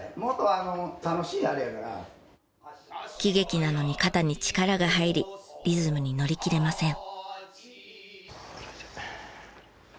喜劇なのに肩に力が入りリズムにのりきれません。